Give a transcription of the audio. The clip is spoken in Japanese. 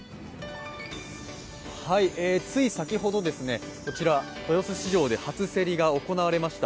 つい先ほど、豊洲市場で初競りが行われました。